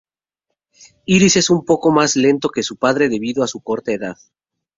Iris es un poco más lento que su padre debido a su corta edad.